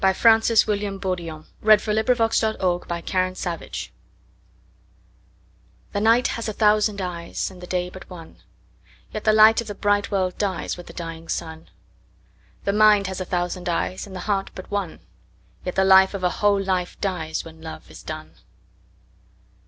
Francis William Bourdillon b. 1852 The Night Has a Thousand Eyes THE NIGHT has a thousand eyes, And the day but one; Yet the light of the bright world diesWith the dying sun. The mind has a thousand eyes, And the heart but one; Yet the light of a whole life diesWhen love is done.